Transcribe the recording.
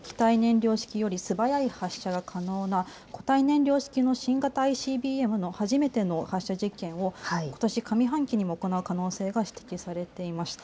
北朝鮮は従来の液体燃料式より素早い発射が可能な固体燃料式の新型のＩＣＢＭの初めての発射実験をことし上半期にも行う可能性が指摘されています。